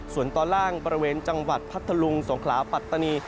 ส่วนตอนล่างบริเวณจังหวัดพัทธลุงสงขลาปัตตานี